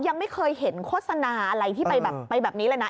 ยังไม่เคยเห็นโฆษณาอะไรที่ไปแบบไปแบบนี้เลยนะ